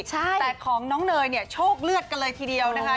แต่ของน้องเนยเนี่ยโชคเลือดกันเลยทีเดียวนะคะ